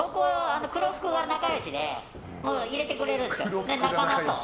黒服が仲良しで入れてくれるんです。